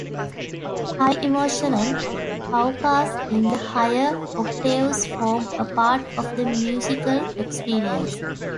Highly emotional "pukars" in the higher octaves form a part of the musical experience.